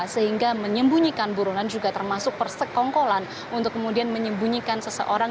sehingga menyembunyikan buronan juga termasuk persekongkolan untuk kemudian menyembunyikan seseorang